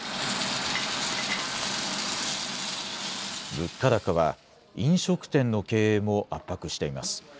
物価高は、飲食店の経営も圧迫しています。